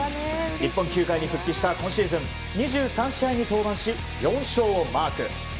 日本球界に復帰した今シーズン２３試合に登板し４勝をマーク。